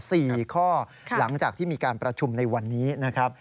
สี่ข้อหลังจากที่มีการประชุมในวันนี้นะครับ